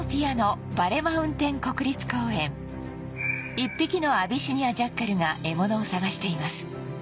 一匹のアビシニアジャッカルが獲物を探しています